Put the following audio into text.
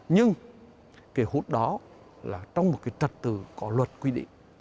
nhưng cái hút đó là trong một cái trật tự có luật quy định